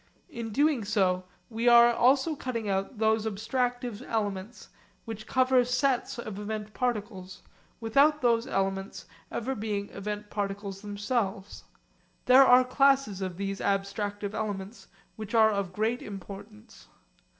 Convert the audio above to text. In so doing we are also cutting out those abstractive elements which cover sets of event particles, without these elements being event particles themselves. There are classes of these abstractive elements which are of great importance.